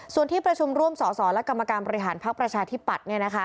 ส่วนที่ประชุมร่วมสอสอและกรรมการบริหารพักประชาธิปัตย์